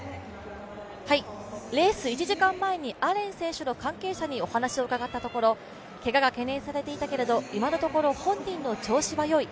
レース１時間前にアレン選手の関係者にお話を伺ったところけがが懸念されていたけれども、今のところ本人の調子はよい